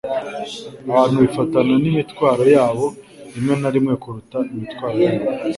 Abantu bifatana n'imitwaro yabo rimwe na rimwe kuruta imitwaro yabo.”